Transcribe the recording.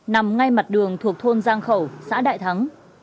nằm ngay mặt đường thuộc thôn giang khẩu xã đại thắng